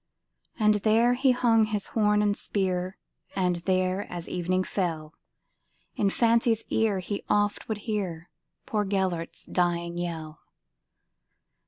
And there he hung his horn and spear, And there, as evening fell, In fancy's ear he oft would hearPoor Gêlert's dying yell.